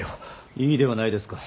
いいではないですか。